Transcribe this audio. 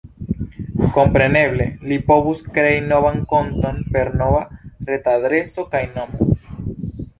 Kompreneble, li povus krei novan konton per nova retadreso kaj nomo.